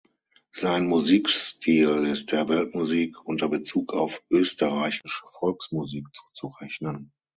Sein Musikstil ist der Weltmusik unter Bezug auf österreichische Volksmusik zuzurechnen.